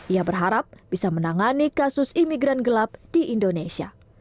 ia berharap bisa menangani kasus imigran gelap di indonesia